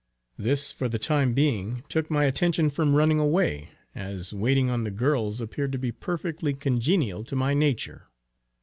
This for the time being took my attention from running away, as waiting on the girls appeared to be perfectly congenial to my nature.